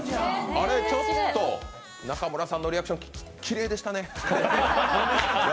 あれっ、ちょっと、中村さんのリアクション、きれいでしたね。